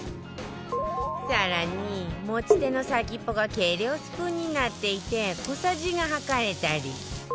更に持ち手の先っぽが計量スプーンになっていて小さじが量れたり